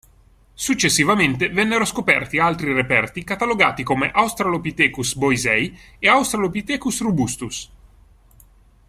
Successivamente vennero scoperti altri reperti catalogati come Autralopithecus Boisei e Australopithecus Robustus.